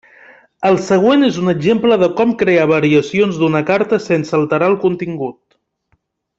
El següent és un exemple de com crear variacions d'una carta sense alterar el contingut.